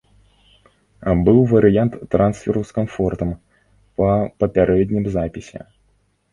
Быў варыянт трансферу з камфортам, па папярэднім запісе.